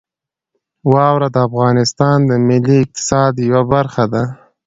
واوره د افغانستان د ملي اقتصاد یوه برخه ده.